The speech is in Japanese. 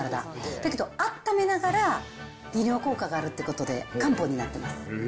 だけどあっためながら利尿効果があるということで漢方になってます。